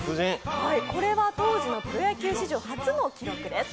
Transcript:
これは当時のプロ野球史上初の記録です。